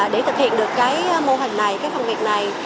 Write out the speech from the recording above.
để thực hiện được cái mô hình này cái công việc này